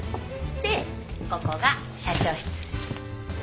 でここが社長室。